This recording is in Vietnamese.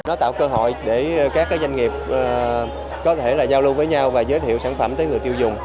nó tạo cơ hội để các doanh nghiệp có thể giao lưu với nhau và giới thiệu sản phẩm tới người tiêu dùng